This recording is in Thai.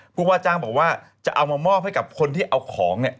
ผู้ว่าจ้างบอกว่าจะเอามามอบให้กับคนที่เอาของเนี่ย